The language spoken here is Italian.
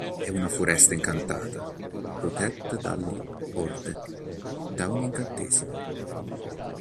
È una foresta incantata, protetta dagli Horde da un incantesimo.